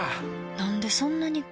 なんでそんなに